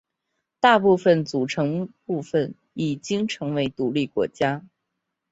大部分组成部分已经成为独立国家。